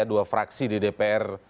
dua fraksi di dpr